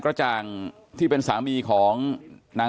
พันให้หมดตั้ง๓คนเลยพันให้หมดตั้ง๓คนเลย